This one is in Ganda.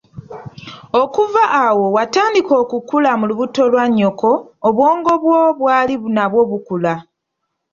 Okuva awo watandika okukula mu lubuto lwa nnyoko, obwongo bwo bwali nabwo bukula.